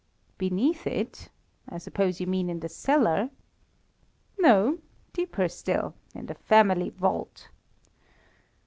"Beneath it? I suppose you mean in the cellar?" "No, deeper still; in the family vault."